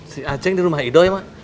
si aceh di rumah ido ya pak